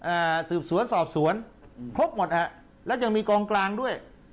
อ่าสืบสวนสอบสวนครบหมดฮะแล้วยังมีกองกลางด้วย